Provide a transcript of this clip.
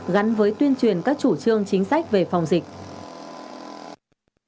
gắn với tuyên truyền các chủ trương chính sách về phòng dịch